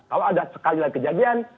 kalau ada sekali lagi kejadian